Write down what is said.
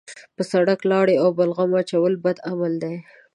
په سړک لاړې او بلغم اچول بد عمل دی.